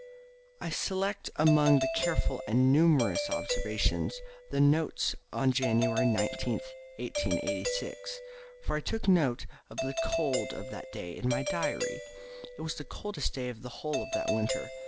I select, among the careful and numerous observations, the notes on January 19, 1886; for I took note of the cold of that day in my diary. It was the coldest day of the whole of that winter.